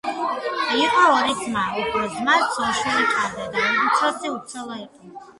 იყო ორი ძმა. უფროს ძმას ცოლ-შვილი ჰყავდა და უმცროსი უცოლო იყო.